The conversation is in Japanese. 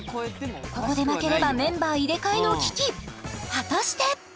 ここで負ければメンバー入れ替えの危機果たして？